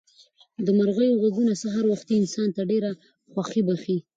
د مرغیو غږونه سهار وختي انسان ته ډېره خوښي بښي.